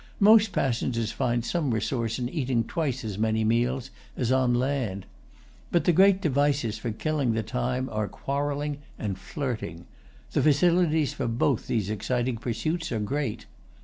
Most passengers find some resource in eating twice as many meals as on land. But the great devices for killing the time are quarrelling and flirting. The facilities for both these exciting pursuits are great.